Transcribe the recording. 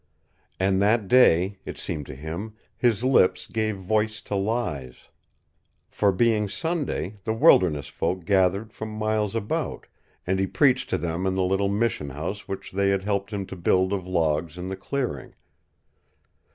And that day, it seemed to him, his lips gave voice to lies. For, being Sunday, the wilderness folk gathered from miles about, and he preached to them in the little mission house which they had helped him to build of logs in the clearing.